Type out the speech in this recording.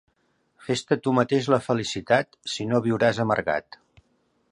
Fes-te tu mateix la felicitat, si no viuràs amargat.